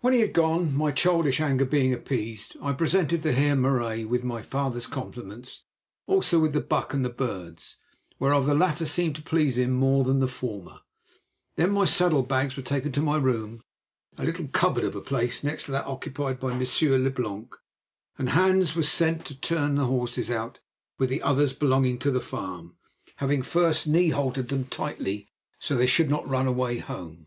When he had gone, my childish anger being appeased, I presented the Heer Marais with my father's compliments, also with the buck and the birds, whereof the latter seemed to please him more than the former. Then my saddle bags were taken to my room, a little cupboard of a place next to that occupied by Monsieur Leblanc, and Hans was sent to turn the horses out with the others belonging to the farm, having first knee haltered them tightly, so that they should not run away home.